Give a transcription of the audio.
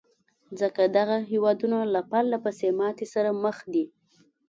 ځکه دغه هېوادونه له پرلهپسې ماتې سره مخ دي.